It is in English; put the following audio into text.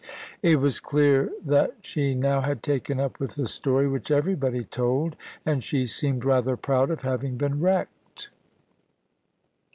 It was clear that she now had taken up with the story which everybody told; and she seemed rather proud of having been wrecked.